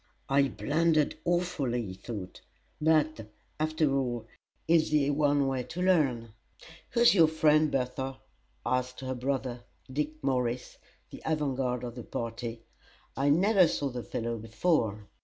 "I blundered awfully," he thought; "but, after all, it's the one way to learn." "Who's your friend, Bertha?" asked her brother, Dick Morris, the avant guard of the party. "I never saw the fellow before."